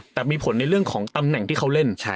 แต่มีผลในเรื่องของตำแหน่งที่เขาเล่น